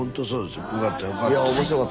よかったよかった。